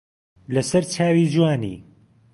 لە سەر چاوی جوانی